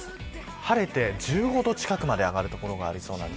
晴れて１５度近くまで上がる所がありそうなんです。